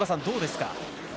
どうですか。